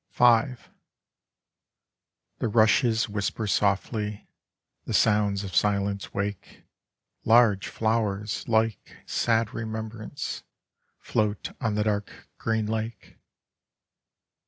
V The rushes whisper BoftTy, the sounds of silence wake, large flowers like sad remembrance float on the dark <reen lake.